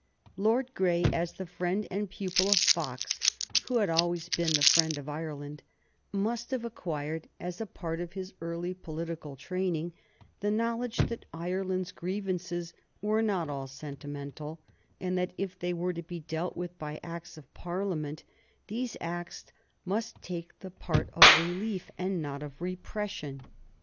Lord Grey, as the friend and pupil of Fox, who had always been the friend of Ireland, must have acquired, as a part of his early political training, the knowledge that Ireland's grievances were not all sentimental, and that if they were to be dealt with by Acts of Parliament these Acts must take the part of relief and not of repression.